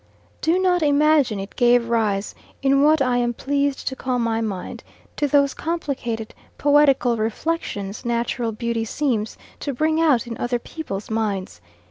Do not imagine it gave rise, in what I am pleased to call my mind, to those complicated, poetical reflections natural beauty seems to bring out in other people's minds.